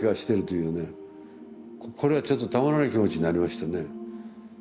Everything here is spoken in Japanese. これはちょっとたまらない気持ちになりましたね。